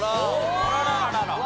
あらららら。